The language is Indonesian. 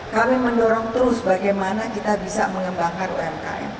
kami mendorong terus bagaimana kita bisa mengembangkan umkm